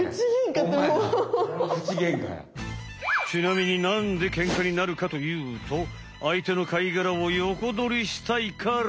ちなみになんでケンカになるかというとあいての貝がらをヨコドリしたいから。